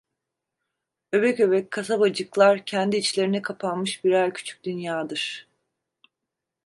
Öbek öbek kasabacıklar, kendi içlerine kapanmış birer küçük dünyadır.